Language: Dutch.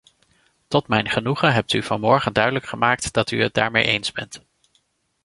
Tot mijn genoegen hebt u vanmorgen duidelijk gemaakt dat u het daarmee eens bent.